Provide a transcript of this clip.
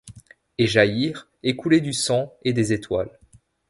Et jaillir et couler du sang et des étoiles ;